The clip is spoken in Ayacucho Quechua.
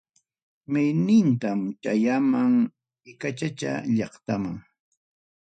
Maynintam chayayman, icachacha llaqtaman.